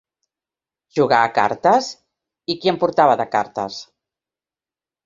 Jugar a cartes? I qui en portava de cartes